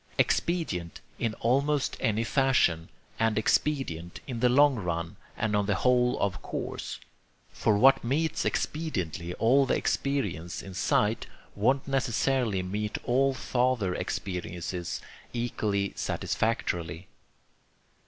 Expedient in almost any fashion; and expedient in the long run and on the whole of course; for what meets expediently all the experience in sight won't necessarily meet all farther experiences equally satisfactorily.